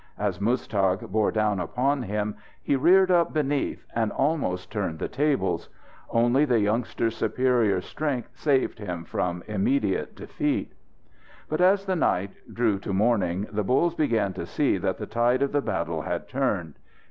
As Muztagh bore down upon him he reared up beneath, and almost turned the tables. Only the youngster's superior strength saved him from immediate defeat. But as the night drew to morning, the bulls began to see that the tide of the battle had turned.